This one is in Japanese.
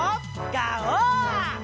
ガオー！